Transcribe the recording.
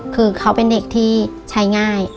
คือเขาเป็นเด็กที่ใช้ง่าย